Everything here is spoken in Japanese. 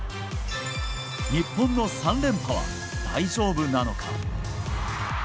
日本の３連覇は大丈夫なのか。